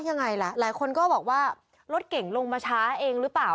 ยังไงล่ะหลายคนก็บอกว่ารถเก่งลงมาช้าเองหรือเปล่า